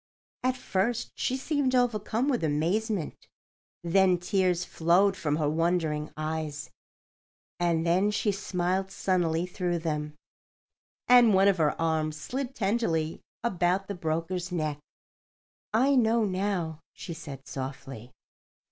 At first she seemed overcome with amazement; then tears flowed from her wondering eyes; and then she smiled sunnily through them, and one of her arms slid tenderly about the broker's neck. "I know now," she said, softly.